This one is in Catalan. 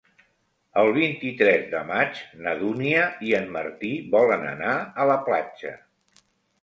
El vint-i-tres de maig na Dúnia i en Martí volen anar a la platja.